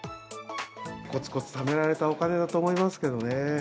こつこつためられたお金だと思いますけどね。